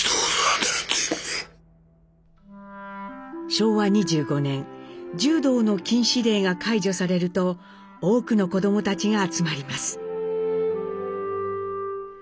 昭和２５年柔道の禁止令が解除されると多くの子どもたちが集まります。